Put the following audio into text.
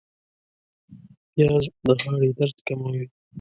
پیاز د غاړې درد کموي